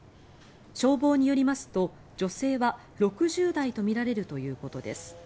消防によりますと女性は６０代とみられるということです。